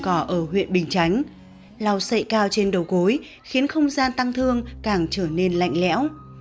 cầu huyện bình chánh lào sậy cao trên đầu gối khiến không gian tăng thương càng trở nên lạnh lẽo